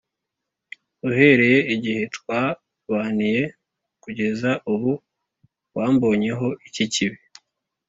Uhereye igihe twabaniye kugeza ubu wambonyeho iki kibi.